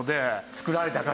作られた方。